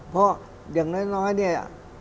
เพราะดังน้อยเนี้ย